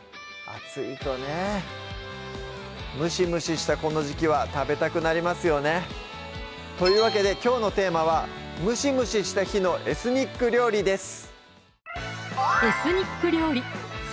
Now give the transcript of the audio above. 暑いとねムシムシしたこの時季は食べたくなりますよねというわけできょうのテーマは「ムシムシする日のエスニック料理」です